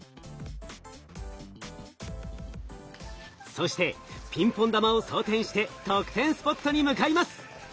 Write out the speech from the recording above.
そしてピンポン玉を装填して得点スポットに向かいます。